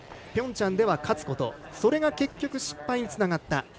ピョンチャンでは勝つことそれが結局、失敗につながった。